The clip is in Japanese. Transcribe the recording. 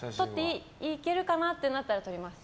いけるかなとなったら撮ります。